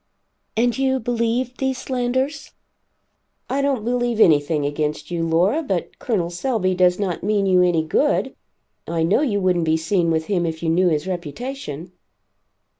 "And you believed these slanders?" "I don't believe anything against you, Laura, but Col. Selby does not mean you any good. I know you wouldn't be seen with him if you knew his reputation."